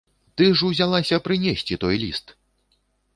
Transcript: Ты ж узялася прынесці той ліст!